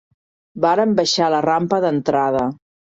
Varem baixar la rampa d'entrada